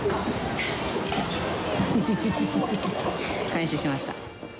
開始しました。